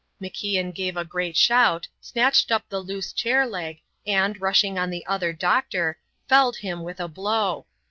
MacIan gave a great shout, snatched up the loose chair leg, and, rushing on the other doctor, felled him with a blow.